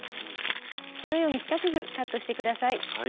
このように四角くカットして下さい。